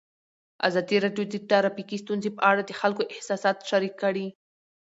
ازادي راډیو د ټرافیکي ستونزې په اړه د خلکو احساسات شریک کړي.